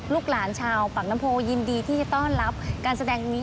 ลูกหลานชาวปากน้ำโพยินดีที่จะต้อนรับการแสดงนี้